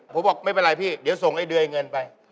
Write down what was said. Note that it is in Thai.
ผมบอกไม่เป็นไรพี่เดี๋ยวส่งไอ้เดยเงินไป